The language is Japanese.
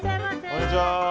こんにちは。